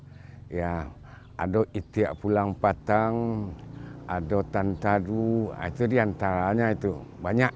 ada pucuk rabuang ada kaluapaku ada itiak pulang patang ada tantadu itu di antaranya itu banyak